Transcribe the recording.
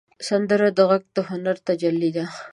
سندره د غږ د هنر تجلی ده